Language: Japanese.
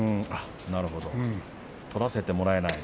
なるほど取らせてもらえない。